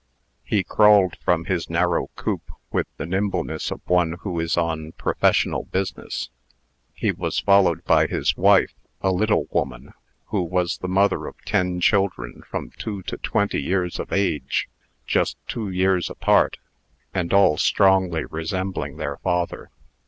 He crawled from his narrow coop with the nimbleness of one who is on professional business. He was followed by his wife, a little woman, who was the mother of ten children from two to twenty years of age just two years apart, and all strongly resembling their father.